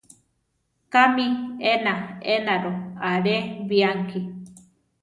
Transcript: ¿Kámi ena enaro alé bianki?